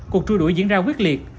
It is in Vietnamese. cuộc chui đuổi diễn ra quyết liệt